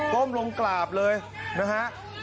้มลงกราบเลยนะฮะ